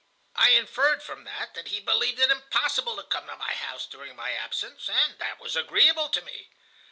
I inferred from that that he believed it impossible to come to my house during my absence, and that was agreeable to me.